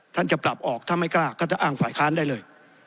จะปรับออกถ้าไม่กล้าก็จะอ้างฝ่ายค้านได้เลย